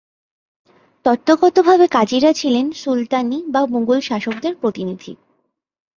তত্ত্বগতভাবে কাজীরা ছিলেন সুলতানি বা মুগল শাসকদের প্রতিনিধি।